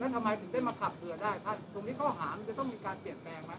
แล้วทำไมจึงได้มาขับเรือได้ครับ